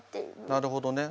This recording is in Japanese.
なるほどね。